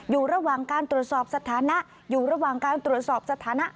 อยู่ระหว่างการตรวจสอบสถานะอยู่ระหว่างการตรวจสอบสถานะ